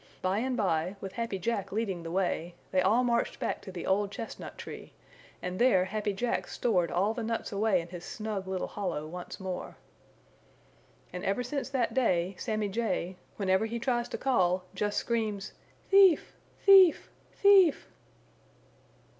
By and by, with Happy Jack leading the way, they all marched back to the old chestnut tree and there Happy Jack stored all the nuts away in his snug little hollow once more. And ever since that day, Sammy Jay, whenever he tries to call, just screams: "Thief!" "Thief!" "Thief!"